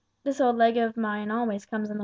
This old leg of mine always comes in the way."